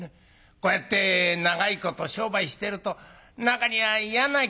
こうやって長いこと商売してると中には嫌な客がいるだろうねなんて。